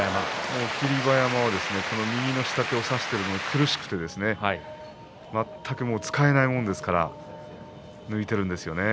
霧馬山は右の下手を差しているのが苦しくて全く使えないものですから抜いているんですよね。